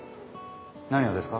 何がですか？